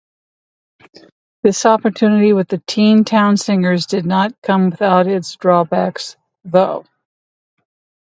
This opportunity with the Teen Town Singers did not come without its drawbacks though.